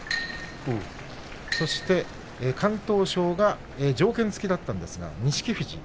そして敢闘賞が条件付きだったんですが錦富士。